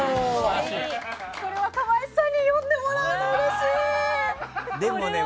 これ、若林さんに読んでもらうのうれしい！